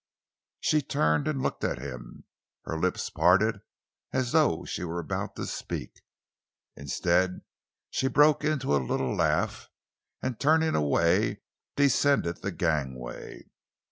She turned and looked at him. Her lips parted as though she were about to speak. Instead she broke into a little laugh, and, turning away, descended the gangway.